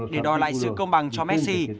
để đòi lại sự công bằng cho messi